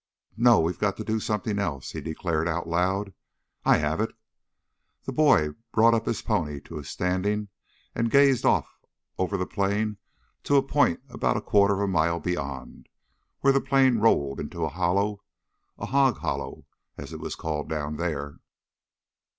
"No, we've got to do something else," he declared out loud. "I have it!" The boy brought his pony up standing and gazed off over the plain to a point about a quarter of a mile beyond, where the plain rolled into a hollow, a "hog hollow" as it was called down there.